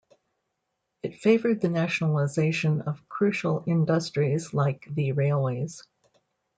It favoured the nationalization of crucial industries like the railways.